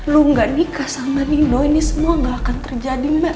lu gak nikah sama nino ini semua gak akan terjadi mbak